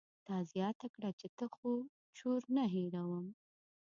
تا زياته کړه چې ته خو چور نه هېروم.